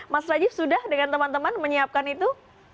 mas rajiv sudah dengan teman teman menyiapkan itu